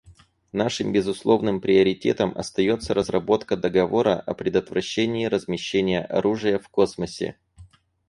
Нашим безусловным приоритетом остается разработка договора о предотвращении размещения оружия в космосе.